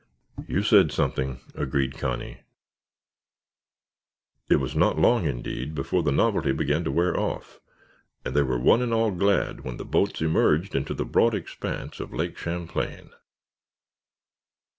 "You said something," agreed Connie. It was not long, indeed, before the novelty began to wear off, and they were one and all glad when the boats emerged into the broad expanse of Lake Champlain.